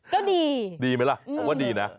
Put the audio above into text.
ก็ดีดีไม่ล่ะข้าวดีนะ